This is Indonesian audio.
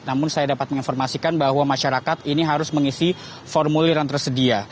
namun saya dapat menginformasikan bahwa masyarakat ini harus mengisi formulir yang tersedia